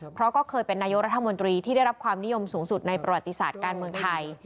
เพราะก็เคยเป็นนายกรัฐมนตรีที่ได้รับความนิยมสูงสุดในประวัติศาสตร์การเมืองไทย